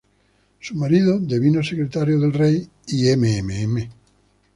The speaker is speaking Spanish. Su marido devino secretario del rey, y Mme.